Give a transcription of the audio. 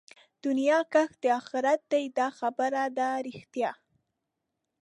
دنيا کښت د آخرت دئ دا خبره ده رښتيا